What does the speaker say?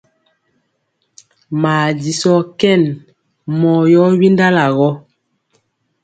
Maa jisɔɔ kɛn mɔɔ yɔ windala gɔ.